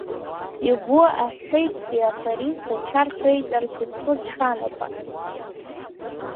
Игәы аҳәеит Феохарис ацәа рхеиҵарц иԥхыӡ шанақәа.